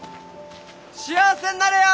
幸せんなれよー！